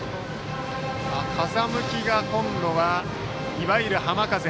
風向きが今度はいわゆる浜風。